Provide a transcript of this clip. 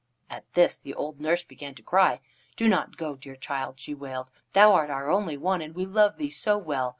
At this the old nurse began to cry. "Do not go, dear child," she wailed. "Thou art our only one, and we love thee so well.